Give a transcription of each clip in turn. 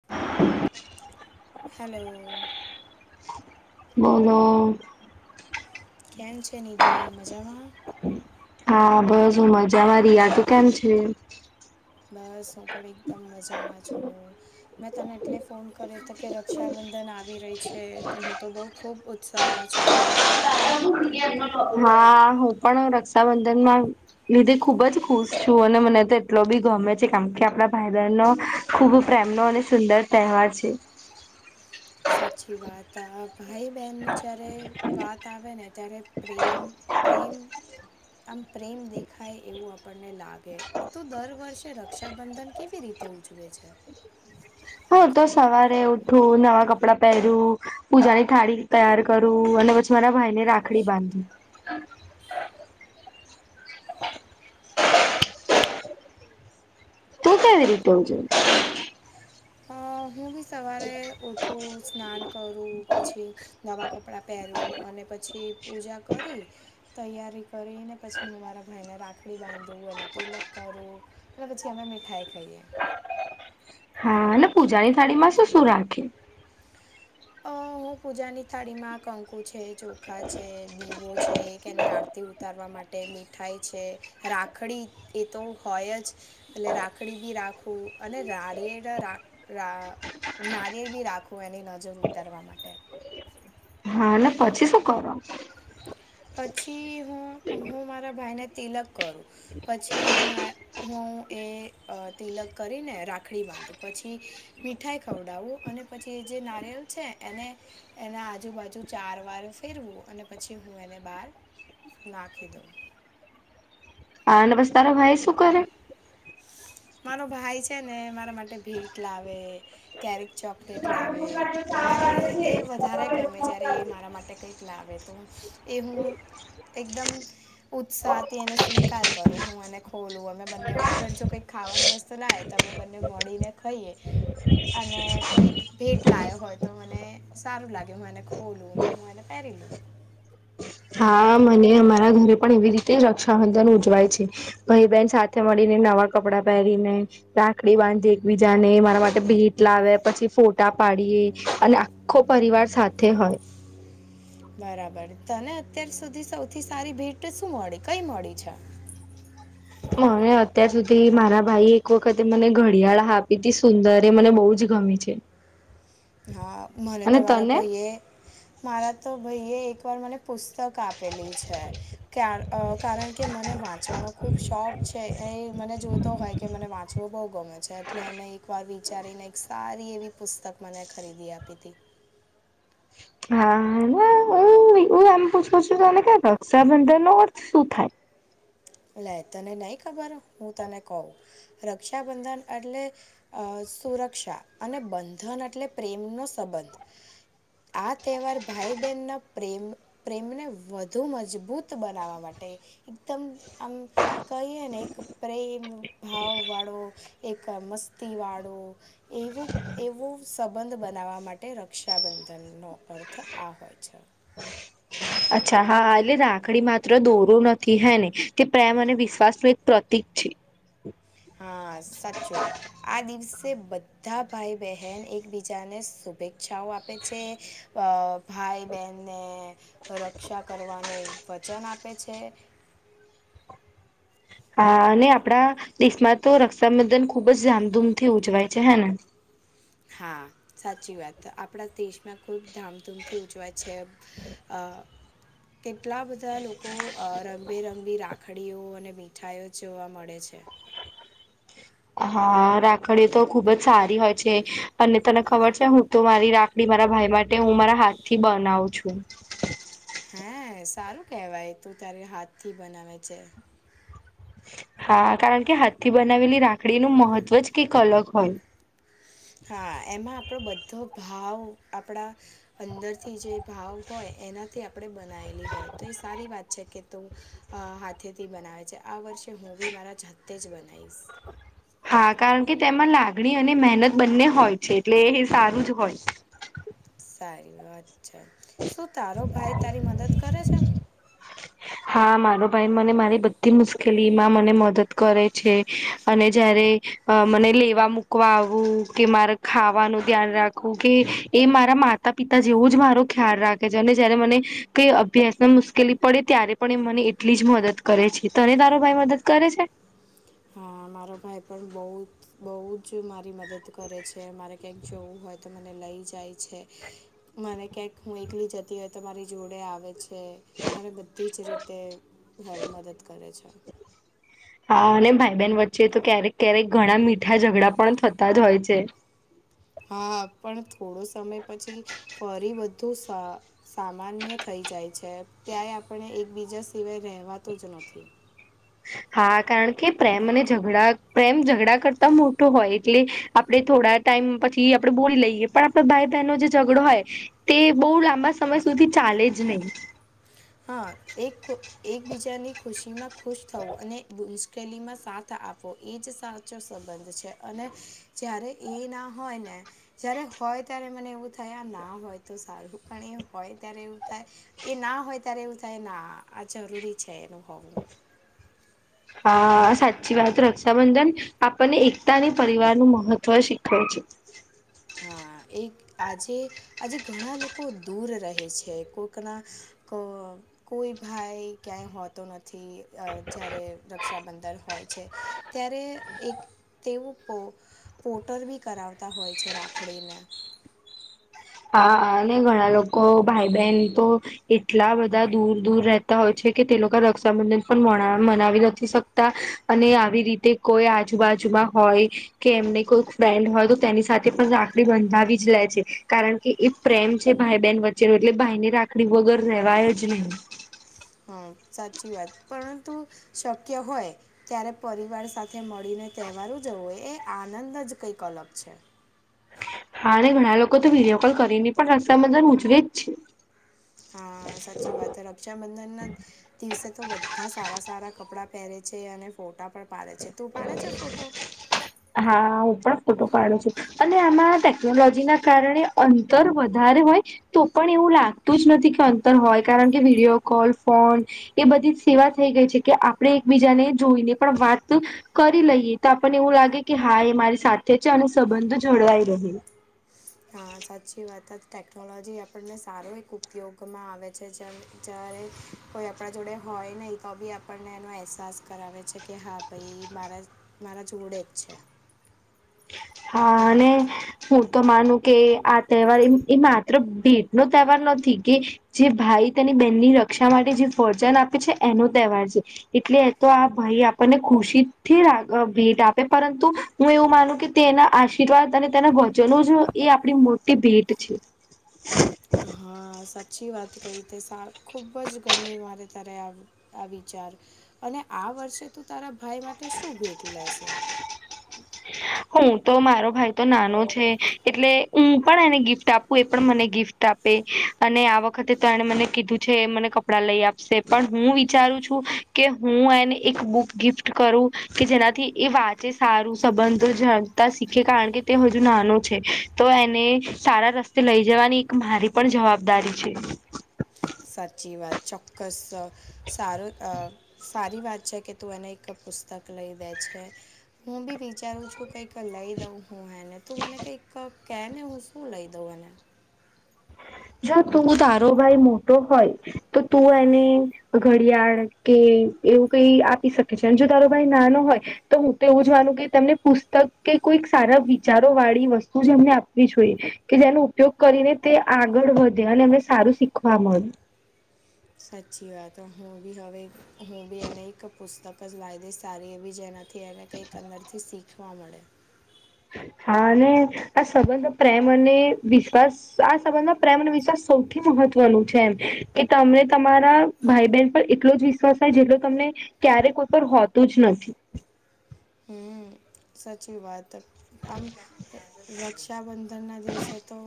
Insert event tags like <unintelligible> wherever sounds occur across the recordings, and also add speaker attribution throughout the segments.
Speaker 1: <inaudible> <unintelligible>
Speaker 2: Hello.
Speaker 1: બોલો.
Speaker 2: કેમ છે નિધિ મજામાં.
Speaker 1: હા બસ હું મજામાં રિયા તો કેમ છે.
Speaker 2: બસ હું પણ એકદમ મજામાં છું. મેં તને એટલે ફોન કર્યો હતો કે રક્ષાબંધન આવી રહી છે તો હું તો બઉ. ખૂબ ઉત્સાહમાં છું તું.
Speaker 1: હા હું પણ રક્ષાબંધનમાં. નિઘિ ખુબ જ ખુશ છું અને મને તો એટલો બી ગમે છે કા કે આપડા ભાઈ બહેન નો. ખૂબ પ્રેમનો અને સુંદર તહેવાર છે.
Speaker 2: સાચી વાત ભાઈ બહેનનું જારે વાત આવે ને ત્યારે પ્રેમ પ્રેમ આમ પ્રેમ દેખાય એવું આપણને લાગે તું દર વર્ષે રક્ષાબંધન કેવી રીતે ઉજવે છે.
Speaker 1: હા તો સવારે ઉઠું નવા કપડાં પહેરું પૂજાની થાળી તૈયાર કરું અને પછી મારા ભાઈ ને રાખડી બાંધી હમ તોતા ર રતો જો
Speaker 2: હું બી સવારે ઉઠું સ્નાન કરું પછી નવા કપડાં પહેરું અને પછી પૂજા કરી તૈયારી કરીને પછી હું મારા ભાઈને રાખડી બાંધું અને તિલક કરું એ પછી અમે મીઠાઈ ખાઈએ
Speaker 1: હા અને પૂજાની થાળી માં શું શું રાખે
Speaker 2: અ હું પૂજાની થાળી માં કંકુ છે ચોખા છે દીવો છે કે એની આરતી થી ઉતારવા માટે મીઠાઈ છે રાખડી એ તો હોય જ એટલે રાખડી બી રાખવું અને રારી નારીય બી રાખું એની નજર ઉતારવા માટે
Speaker 1: એટલે પછી શું કરો
Speaker 2: પછી હું હું મારા ભાઈને તિલક કરું પછી હું હું એ તિલક કરીને રાખડી બાંધુ પછી મીઠાઈ ખવડાવું અને પછી જે નારિયલ છે એને એના આજુબાજુ ચાર વાર ફેરવું અને પછી હુ એને બહાર નાખી દઉં
Speaker 1: હા ન બસ તારો ભાઈ શું કરે
Speaker 2: મારો ભાઈ છે ને મારા માટે ભેટ લાવે કતારૅક ચોકલેટ લાવે મને એ વધારે ગમે જ્યારે એ મારા માટે કંઈક લાવે તો એ હું એકદમ ઉત્સાહ થી એને સ્વીકાર કરું હું એને ખોલું અમે બંનેવ અગર જો કઈક ખાવાની વસ્તુ લાવૅ તો અમે બંને મડીને ખાઈએ અને કોઈ ભેટ લાયો હોય તો મને સારું લાગે હું એને ખોલું ને હું એને પહેરી લઉં
Speaker 1: હા મને અમારા ઘરે પણ એવી રીતે રક્ષાબંધન ઉજવાય છે ભાઈ બહેન સાથે મળીને નવા કપડાં પહેરીને રાખડી બાંધે એકબીજાને મારા માટે ભેટ લાવે પછી ફોટા પાડીએ અને આખો પરિવાર સાથે હોય
Speaker 2: બરાબર તને અત્યાર સુધી સૌથી સારી ભેટ શું મળી કઈ મળી છે
Speaker 1: મને અત્યાર સુધી મારા ભાઈ એ એક વખતે મને ઘડિયાળ આપી તી સુંદર એ મને બઉ જ ગમી છે
Speaker 2: હા મને તો
Speaker 1: અને
Speaker 2: મારા
Speaker 1: તને
Speaker 2: ભાઈએ મારા તો ભાઈએ એક વાર મને પુસ્તક આપેલી છે કારણ કે મને વાંચવાનો ખુબ શોખ છે એ મને જોતો હોય કે મને વાંચ તો બહુ ગમે છે એટલે એને એક વાર વિચારીને એક સારી એવી પુસ્તક મને ખરીદી આપી હતી
Speaker 1: હા ના એમ પૂછ પછ તને ક્યા રક્ષાબંધન શું થાય
Speaker 2: લે તને નહી ખબર હું તને કહું રક્ષાબંધન એટલે અ સુરક્ષા અને બંધન એટલે પ્રેમનો સંબંધ આ તહેવાર ભાઈ બહેનના પ્રેમ પ્રેમને વધુ મજબૂત બનાવા માટે એકદમ આમ કહીએ ને એક પ્રેમ ભાવ વાળો એક મસ્તી વાળો એવું એવું સંબંધ બનાવવા માટે રક્ષાબંધનનો અર્થ આ હોય છે
Speaker 1: અચ્છા હા એટલે રાખડી માત્ર દોરો નથી હે ને તે પ્રેમ અને વિશ્વાસ નું એક પ્રતિક છે
Speaker 2: હા સાચું આ દિવસે બધા ભાઈ બહેન એકબીજાને શુભેચ્છા ઈચ્છાઓ આપે છે અ ભાઈ બહેનને રક્ષા કરવાનું વચન આપે છે
Speaker 1: હા અને આપણા દેશમાં તો રક્ષાબંધન ખુબ જ ધામધૂમથી ઉજવાય છે હે ને
Speaker 2: હા સાચી વાત આપણા દેશમાં ખુબ ધામધૂમથી ઉજવાય છે અ કેટલા બધા લોકો રંગબેરંગી રાખડીઓ અને મીઠાઈઓ જોવા મળે છે
Speaker 1: હા રાખડીઓ તો ખુબ જ સારી હોય છે અને તને ખબર છે હું તો મારી રાખડી મારા ભાઈ માટે તેમ હું મારા હાથ થી બનાવું છું
Speaker 2: હે સારું કેહેવાય તું તારે હાથથી બનાવે છે
Speaker 1: હા કારણ કે હાથથી બનાવેલી રાખડીનું મહત્વ જ કંઈક અલગ હોય
Speaker 2: હા એમાં આપણો બધો ભાવ આપણા અંદરથી જે ભાવ હોય એનાથી આપણે બનાયેલી હોય તો એ સારી વાત છે કે તું હાથેથી બનાવે છે આ વર્ષે હું બી મારા હાથે જાતે જ બનાવીશ
Speaker 1: હા કારણ કે તેમાં લાગણી અને મહેનત બંને હોય છે એટલે એ સારું જ હોય
Speaker 2: સારી વાત છે શું તારો ભાઈ તારી મદદ કરે છે
Speaker 1: હા મારો ભાઈ મને મારી બધી મુશ્કેલીમાં મને મદદ કરે છે અને જ્યારે મને લેવા મૂકવા આવવું કે મારે ખાવાનું ધ્યાન રાખવું કે એ મારા માતા માતા પિતા જેવું જ મારો ખ્યાલ રાખે છે અને જયારે મને કઈ અભ્યાસમાં મુશ્કેલી પડે ત્યારે પણ એ મને એટલી જ મદદ કરે છે, તને તારો ભાઈ મદદ કરે છે.
Speaker 2: હા મારો ભાઈ પણ બહુ બહુ જ મારી મદદ કરે છે, મારે ક્યાંઈક જોવું હોય તો મને લઈ જાય છે. મને ક્યાંક હું એકલી જતી હોય તો મારી જોડે આવે. છે મારે બધી જ રીતે હ મદદ કરે છે.
Speaker 1: હા અને ભાઈ બહેન વચ્ચે તો ક્યારેક ક્યારેક ઘણા મીઠા ઝઘડા પણ થતા જ હોય છે.
Speaker 2: હા પણ થોડો સમય પછી ફરી બધુ સા સામાન્ય થઈ જાય છે ત્યાંય આપણે એકબીજા સિવાય રહેવાતું જ નથી.
Speaker 1: હા કારણ કે પ્રેમ અને ઝઘડા પ્રેમ ઝઘડા કરતા મોટો હોય એટલે આપડે થોડા ટાઈમ પછી આપડે બોલી લઈએ પણ આપણા ભાઈ બહેનનો જે ઝઘડો હોય તે બહુ લાંબા સમય સુધી ચાલે જ નહીં.
Speaker 2: હા એક ખુ એકબીજાની ખુશી માં ખુશ થવું અને <unintelligible> મુશકેલી માં સાથ આપો એ જ સાચો સંબંધ છે અને જ્યારે એ ના હોય ને જયારે હોય ત્યારે મને એવું થાય આ ના હોય તો સારું પણ એ હોય ત્યારે એવું થાય. એ ના હોય ત્યારે એવું થાય ના આ જરૂરી છે એનુ હોવું.
Speaker 1: હ સાચી વાત રક્ષાબંધન આપણને એકતા અને પરિવાર નું મહત્વ શીખવ છે.
Speaker 2: હા એક આજે આજે ઘણા લોકો દૂર રહે છે કોઈકના ક કોઈ ભાઈ ક્યાંય હોતો નથી અ જયારે રક્ષાબંધન હોય છે. ત્યારે એક તેઓ પો પોટર બી કરાવતા હોય. છે રાખડીને.
Speaker 1: હા અને ઘણા લોકો ભાઈ બહેન તો એટલા બધા દૂર દૂર રહેતા હોય છે કે તે લોકો રક્ષાબંધન પણ મણા મનાવી નથી શક તા અને આવી રીતે કોઈ આજુબાજુમાં હોય. કે એમને કોઈ ફ્રેન્ડ હોય તો તેની સાથે પણ રાખડી બંધાવી જ લે છે. કારણ કે એ પ્રેમ છે ભાઈ બહેન વચ્ચેનો એટલે ભાઈ ને રાખડી વગર રહેેવાય જ નહીં.
Speaker 2: હા સાચી વાત પરંતુ શક્ય હોય ત્યારે પરિવાર સાથે મળીને તહેવારો ઉજવો એ આનંદ જ કંઈક અલગ છે.
Speaker 1: હા અને ઘણા લોકો તો વિડીયો કોલ કરીને પણ રક્ષાબંધન ઉજવે જ છે.
Speaker 2: હા સાચી વાત હ રક્ષાબંધન ના દિવસે તો બધા સારા સારા કપડાં પહેરે છે અને ફોટા પણ પાડે છે તું પાડે છે ફોટો
Speaker 1: હા હું પણ ફોટો પાડુ છું. અને આમાં ટેકનોલોજી ના કારણે અંતર વધારે હોય તો પણ એવું લાગતું જ નથી કે અંતર હોય કારણ કે વિડીયો કોલ ફોન એ બધી જ સેવા થઈ ગઈ છે કે આપણે એકબીજાને જોઈને પણ વાત કરી લઈએ તો આપણને એવું લાગે કે હા એ મારી સાથે છે અને સંબંધો જળવાઈ રહે.
Speaker 2: હા સાચી વાત ટેકનોલોજી આપણને સારો એક ઉપયોગમાં આવે છે જેમ જ્યારે કોઈ આપણા જોડે હોય નહીં તો બી આપણને એનો અહેસાસ કરાવે છે કે હા. ભાઈ ઈ મારા મારા જોડે જ છે.
Speaker 1: હા અને હું તો માનું કે આ તહેવાર એ એ માત્ર ભેટ નો તહેવાર નથી કે જે ભાઈ તેની બહેનની રક્ષા માટે જે વચન આપે છે એનો તહેવાર છે. એટલે તો આ ભાઈ આપણને ખુશી થી રા ભેટ આપે પરંતુ હું એવું માનું કે તેના આશીર્વાદ અને તેના વચનો જ એ આપણી મોટી ભેટ છે.
Speaker 2: હા સા સાચી વાત કહી તે સા ખૂબ જ ગમી મારે તારે આ વિચાર. અને આ વર્ષે તું તારા ભાઈ માટે શું ભેટ લેશે.
Speaker 1: હું તો મારો ભાઈ તો નાનો છે એટલે હું પણ એને ગિફ્ટ આપું એ પણ મને ગિફ્ટ આપ અને આ વખતે તો એને મને કીધું છે મને કપડા લઈ આપશે પણ હું વિચારું છું કે હું એને એક બુક ગિફ્ટ કરું કે જેનાથી એ વાંચે સારું સંબંધો જાણતા શીખે કારણ કે તે હજુ નાનો છે તો એને સારા રસ્તે તે લઈ જવાની એક મારી પણ જવાબદારી છે
Speaker 2: સાચી વાત ચોક્કસ સારું સારી વાત છે કે તું એને એક પુસ્તક લઈ દે છે હું બી વિચારું છું કઈક લઈ દઉં હું હેને તું મને કંઈક કહે ને હું શું લઈ દઉં એને
Speaker 1: જો તું તારો ભાઈ મોટો હોય તો તું એને ઘડિયાળ કે એવું કઈ આપી શકે છે અને જો તારો ભાઈ નાનો હોય તો હું તો એવું જ માનું કે તેમને પુસ્તક કે કોઈક સારા વિચારો વાળી વસ્તુ એમને આપવી જોઈએ કે જેનો ઉપયોગ કરીને તે આગળ વધે અને એમાં સારું શીખવા મળે
Speaker 2: સાચી વાત હું બી હવે હું બી એને એક પુસ્તક જ લાવી દઈશ સારી એવી જેના થી એને કંઈક અંદરથી શીખવા મળે
Speaker 1: હા અને આ સંબંધો પ્રેમ અને વિશ્વાસ આ સંબંધમાં પ્રેમ વિશ્વાસ સૌથી મહત્વનું છે એમ કે તને તમારા ભાઈ બહેન પર એટલો જ વિશ્વાસ થાય જેટલો તમને ક્યારેક કોઈ પર હોતું જ નથી
Speaker 2: હમ સાચી વાત આમ રક્ષાબંધનના દિવસે તો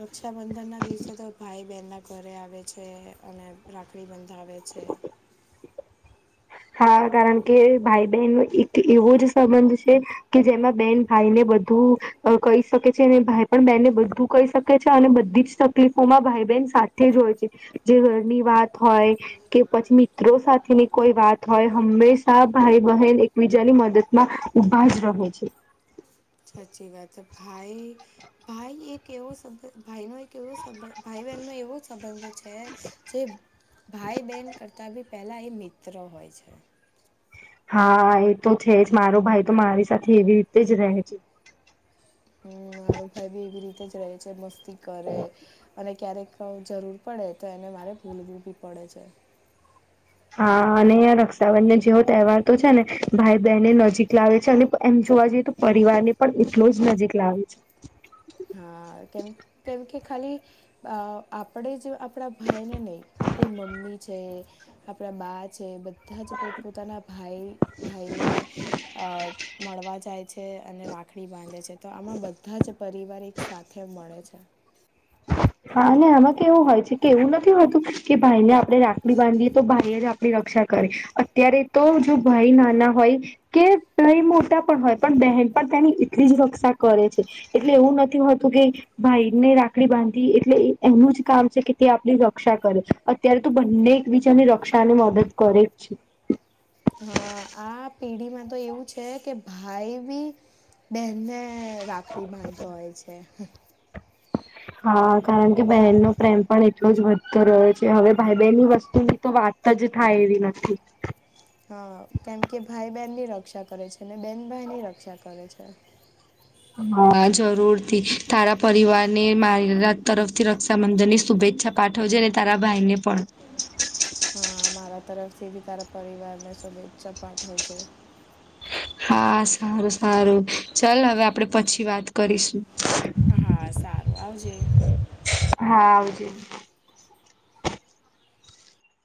Speaker 2: રક્ષાબંધનના દિવસે તો ભાઈ બહેનના ઘરે આવે છે અને રાખડી બંધાવે છે
Speaker 1: હા કારણ કે ભાઈ બહેન નો એક એવો જ સંબંધ છે કે જેમાં બેન ભાઈ ને બધું કહી શકે છે અને ભાઈ પણ બહેનને બધું કઈ શકે છે અને બધી જ તકલીફોમાં ભાઈ બહેન સાથે તે જ હોય છે જે ઘરની વાત હોય કે પછી મિત્રો સાથેની કોઈ વાત હોય હંમેશા ભાઈ બહેન એકબીજાની મદદ માં ઊભા જ રહે છે
Speaker 2: સાચી વાત ભાઈ ભાઈ એક એવો શબ ભાઈ નો એક એવો સંબંધ ભાઈ બહેનનો એવો સંબંધ છે જે ભાઈ બહેન કરતાં બી પહેલા એ મિત્ર હોય છે
Speaker 1: હા એ તો છે જ મારો ભાઈ તો મારી સાથે એવી રીતે જ રહે છે
Speaker 2: હમ, મારો ભાઈ બી એવી રીતે જ રહે છે મસ્તી કરે અને ક્યારેક જરૂર પડે તો એને મારે ભૂલવું બી પડે છે
Speaker 1: હા અને રક્ષાબંધન જેવો તહેવાર તો છે ને ભાઈ બહેનને નજીક લાવે છે અને એમ જોવા જઈએ તો પરિવાર ને પણ એટલો જ નજીક લાવે છે
Speaker 2: હા કેમ કેમ કે ખાલી આપણે જ આપણા ભાઈ ને નહી આપણી મમ્મી છે આપણા બા છે બધા બધાં જ પોતપોતાના ભાઈ ભાઈને અ મળવા જાય છે અને રાખડી બાંધે છે તો આમાં બધા જ પરિવાર એક સાથે મળે છે
Speaker 1: હા અને આમાં કેવું હોય છે કે એવું નથી હોતું કે ભાઈને આપણે રાખડી બાંધીએ તો ભાઈ જ આપણી રક્ષા કરે અત્યારે તો જો ભાઈ નાના હોય કે ભઈ મોટા પણ હોય પણ બહેન પણ તેની એટલી જ રક્ષા કરે છે એટલે એવું નથી હોતું કે ભાઈ ને રાખડી બાંધ એટલે એનું જ કામ છે કે તે આપણી રક્ષા કરે અત્યારે તો બંને એક બીજાની રક્ષા અને મદદ કરુ જ છ ઉ
Speaker 2: હ આ પેઢીમાં તો એવું છે કે ભાઈ બી બનને હ રાખડી બાંધતો હોય છે
Speaker 1: હા કારણ કે બહેનનો પ્રેમ પણ એટલો જ વધતો રહ્યો છે હવે ભાઈ બહેનની વસ્તુની તો વાત વાત જ થાય એવી નથી
Speaker 2: હા કેમ કે ભાઈ બહેન ની રક્ષા કરે છે ને બેન ભાઈ ની રક્ષા કરે છે
Speaker 1: હા જરૂર થી તારા પરિવાર ને મારીત તરફ થી રક્ષાબંધન ની શુભેચ્છા પાઠવજ ને તારા ભાઈ ને પણ
Speaker 2: હા મારા તરફથી બી તારા પરિવારને શુભેચ્છા પાઠવજે
Speaker 1: હા સારું સારું ચાલ હવે આપડે પછી વાત કરીશું
Speaker 2: હા સારું આવજે
Speaker 1: હા આવજે